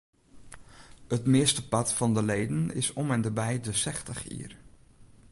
It meastepart fan de leden is om ende by de sechstich jier.